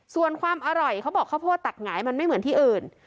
ส่วนความอร่อยเขาบอกข้าวโพดตักหงายมันไม่เหมือนที่อื่น